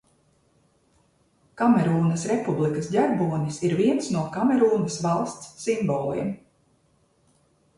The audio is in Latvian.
Kamerūnas Republikas ģerbonis ir viens no Kamerūnas valsts simboliem.